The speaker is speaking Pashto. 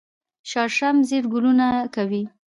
شړشم ژیړ ګلونه کوي